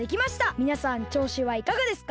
みなさんちょうしはいかがですか？